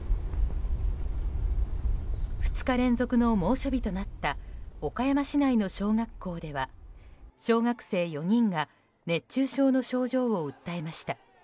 ２日連続の猛暑日となった岡山市内の小学校では小学生４人が熱中症の症状を訴えました。